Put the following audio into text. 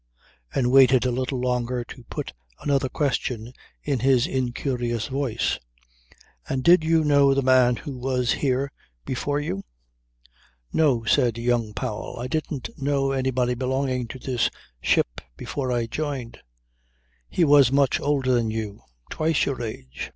and waited a little longer to put another question in his incurious voice. "And did you know the man who was here before you?" "No," said young Powell, "I didn't know anybody belonging to this ship before I joined." "He was much older than you. Twice your age.